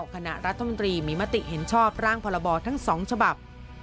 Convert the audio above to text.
คณะรัฐมนตรีมีมติเห็นชอบร่างพรบทั้ง๒ฉบับ